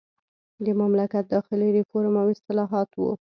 د مملکت داخلي ریفورم او اصلاحات وو.